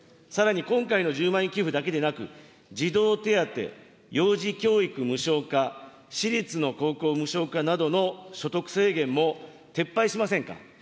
さらに今回の１０万円給付だけでなく、児童手当、幼児教育無償化、私立の高校無償化などの所得制限も撤廃しませんか。